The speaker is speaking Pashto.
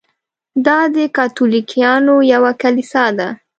دا د کاتولیکانو یوه کلیسا ده.